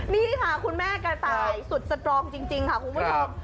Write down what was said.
นี่ค่ะคุณแม่กระต่ายสุดสตรองจริงค่ะคุณผู้ชม